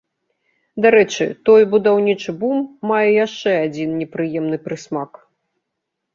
Дарэчы, той будаўнічы бум мае яшчэ адзін непрыемны прысмак.